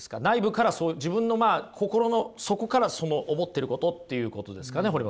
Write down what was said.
内部から自分の心の底からその思ってることっていうことですかね？